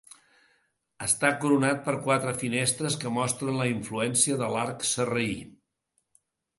Està coronat per quatre finestres que mostren la influència de l'arc sarraí.